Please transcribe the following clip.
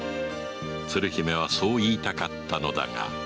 鶴姫はそう言いたかったのだが